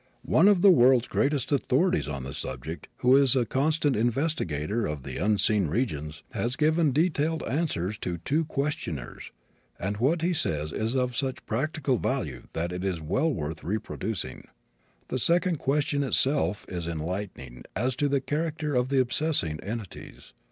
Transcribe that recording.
One of the world's greatest authorities on the subject, who is a constant investigator of the unseen regions, has given detailed answer to two questioners, and what he says is of such practical value that it is well worth reproducing. The second question itself is enlightening as to the character of the obsessing entities.